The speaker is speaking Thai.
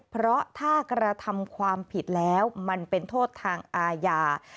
เพราะถ้ากระทำความผิดแล้วมันเป็นโทษทางอาญา